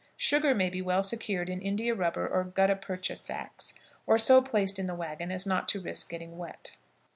Sugar may be well secured in India rubber or gutta percha sacks, or so placed in the wagon as not to risk getting wet.